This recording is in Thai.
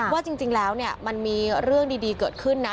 ว่าจริงแล้วเนี่ยมันมีเรื่องดีเกิดขึ้นนะ